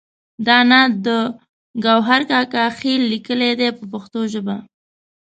دا نعت د ګوهر کاکا خیل لیکلی دی په پښتو ژبه.